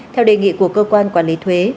theo đề nghị của cơ quan quản lý thuế